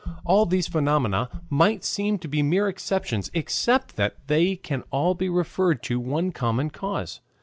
All these phenomena might seem to be mere exceptions, except that they can all be referred to one common cause.